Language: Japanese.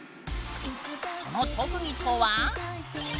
その特技とは。